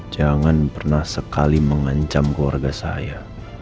jangan pernah sekali mengancam keluarga saya